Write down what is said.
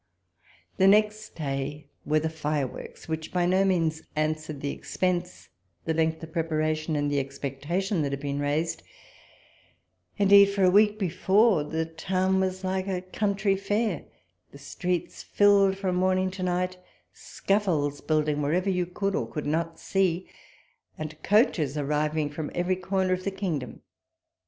The next day were the fireworks, which by no means answered the expense, the length of prepara 58 WALPOLES LETTERS. tion, and the expectation that had been raised ; indeed, for a week before, the town was like a country fair, the streets filled from morning to night, scaffolds building wherever you could or could not see, and coaches arriving from every corner of tlie kingdom.